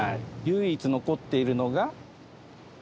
唯一残っているのが？